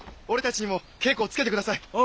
俺たちにも稽古をつけてください。